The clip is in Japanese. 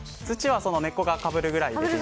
土は根っこがかぶるくらいに。